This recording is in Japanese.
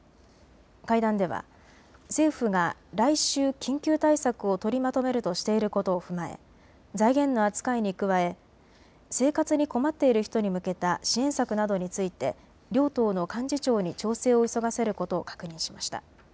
会談では政府が来週、緊急対策を取りまとめるとしていることを踏まえ財源の扱いに加え生活に困っている人に向けた支援策などについて両党の幹事長に調整を急がせることを確認しました。